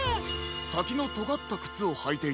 さきのとがったくつをはいていて。